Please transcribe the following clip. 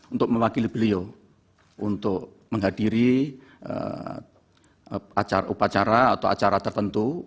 untuk mewakili beliau untuk menghadiri acara upacara atau acara tertentu